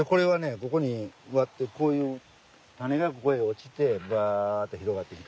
ここに植わってこういう種がここへ落ちてバッて広がってきた。